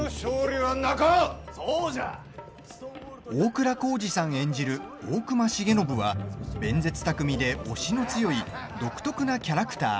大倉孝二さん演じる大隈重信は弁舌巧みで押しの強い独特なキャラクター。